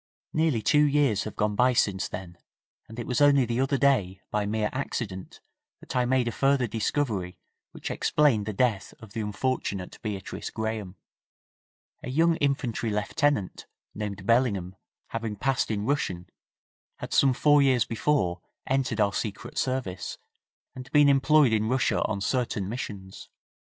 Nearly two years have gone by since then, and it was only the other day, by mere accident, that I made a further discovery which explained the death of the unfortunate Beatrice Graham, A young infantry lieutenant, named Bellingham, having passed in Russian, had some four years before entered our Secret Service, and been employed in Russia on certain missions.